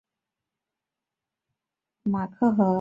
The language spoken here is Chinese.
阿普里马克河与曼塔罗河汇流成为埃纳河。